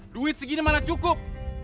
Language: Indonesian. duit segini malah cukup